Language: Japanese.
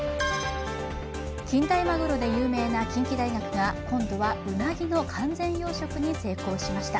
近大マグロで有名な近畿大学が今度はウナギの完全養殖に成功しました。